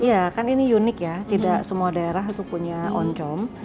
iya kan ini unik ya tidak semua daerah itu punya oncom